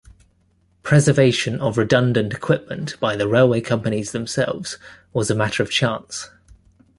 Preservation of redundant equipment by the railway companies themselves was a matter of chance.